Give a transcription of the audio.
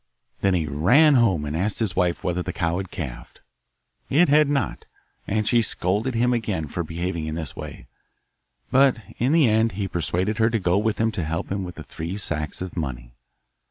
Then he ran home and asked his wife whether the cow had calved. It had not, and she scolded him again for behaving in this way, but in the end he persuaded her to go with him to help him with the three sacks of money.